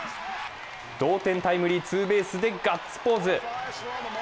同点タイムリーツーベースでガッツポーズ。